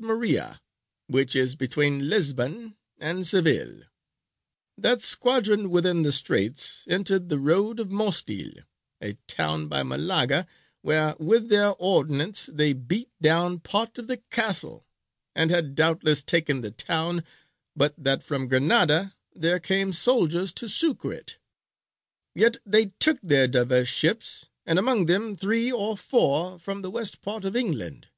Maria, which is between Lisbon and Seville. That squadron within the straits entered the road of Mostil, a town by Malaga, where with their ordnance they beat down part of the castle, and had doubtless taken the town, but that from Granada there came soldiers to succour it; yet they took there divers ships, and among them three or four from the west part of England.